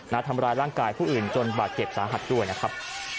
ทำร้ายร่างกายผู้อื่นจนบาดเจ็บสาหัสด้วยนะครับ